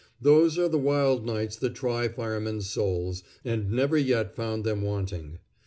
Those are the wild nights that try firemen's souls, and never yet found them wanting.